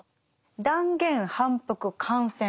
断言反復感染。